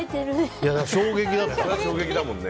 衝撃だったから。